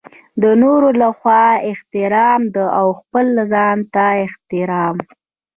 د نورو لخوا احترام او خپل ځانته احترام.